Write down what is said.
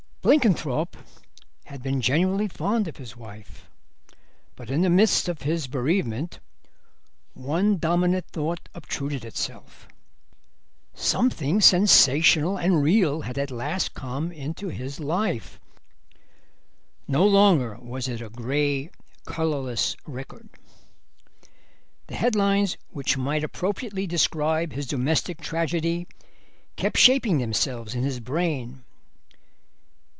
Blenkinthrope had been genuinely fond of his wife, but in the midst of his bereavement one dominant thought obtruded itself. Something sensational and real had at last come into his life; no longer was it a grey, colourless record. The headlines which might appropriately describe his domestic tragedy kept shaping themselves in his brain.